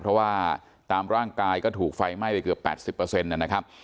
เพราะว่าตามร่างกายก็ถูกไฟใหม่ไปเกือบ๘๐เปอร์เซ็นต์นะครับ